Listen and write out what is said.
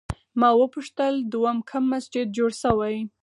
ما وپوښتل دوهم کوم مسجد جوړ شوی؟